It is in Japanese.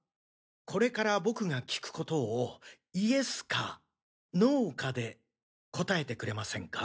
これから僕が聞くことをイエスかノーかで答えてくれませんか？